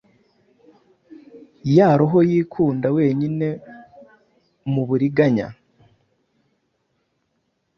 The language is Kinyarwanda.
ya Roho yikunda wenyine muburiganya